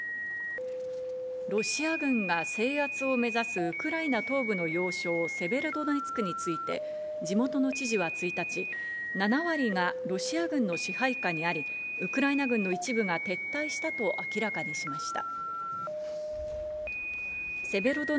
ロシア軍が制圧を目指すウクライナ東部の要衝セベロドネツクについて地元の知事は１日、７割がロシア軍の支配下にあり、ウクライナ軍の一部が撤退したと明らかにしました。